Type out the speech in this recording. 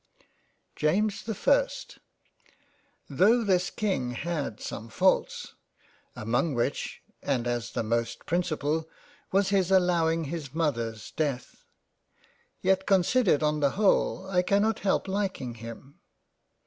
JAMES the ist THOUGH this King had some faults, among which and as the most principal, was his allowing his Mother's death, yet considered on the whole I cannot help liking him.